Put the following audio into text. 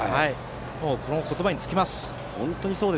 この言葉に尽きます。